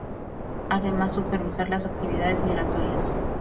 Además supervisar las actividades migratorias.